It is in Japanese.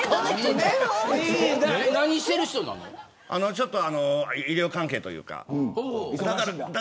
ちょっと、医療関係というか。